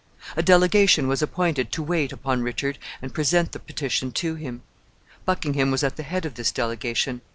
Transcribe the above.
A delegation was appointed to wait upon Richard and present the petition to him. Buckingham was at the head of this delegation.